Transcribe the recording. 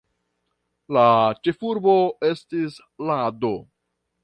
La ĉefurbo estis Lado.